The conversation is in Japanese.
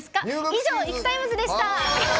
以上「ＩＫＵＴＩＭＥＳ」でした。